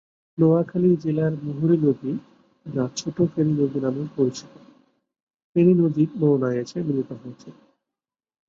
নোয়াখালী জেলার মুহুরী নদী, যা ছোট ফেনী নদী নামেও পরিচিত, ফেনী নদীর মোহনায় এসে মিলিত হয়েছে।